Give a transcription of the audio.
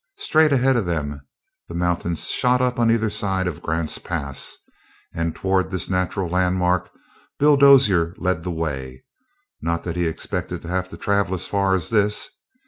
Straight ahead of them the mountains shot up on either side of Grant's Pass, and toward this natural landmark Bill Dozier led the way. Not that he expected to have to travel as far as this.